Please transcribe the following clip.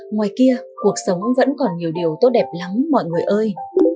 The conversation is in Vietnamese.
ngoài kia cuộc sống vẫn còn nhiều điều tốt đẹp lắm mọi người ơi